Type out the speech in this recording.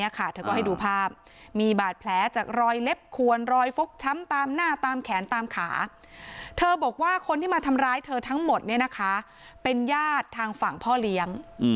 แขนตามขาเธอบอกว่าคนที่มาทำร้ายเธอทั้งหมดเนี่ยนะคะเป็นญาติทางฝั่งพ่อเลี้ยง